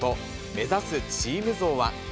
目指すチーム像は。